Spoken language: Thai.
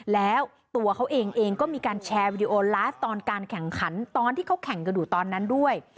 แล้วตัวเขาเองเองก็มีการแชร์วิดีโอไลฟ์ตอนการแข่งขันตอนที่เขาแข่งกันอยู่ตอนนั้นด้วย